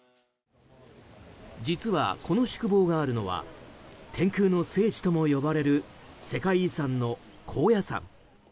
実は、この宿坊があるのは天空の聖地とも呼ばれる世界遺産の高野山。